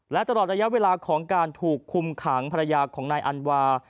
และตลอดระยะเวลาของการถูกคุมขังภรรยาของนายอันวา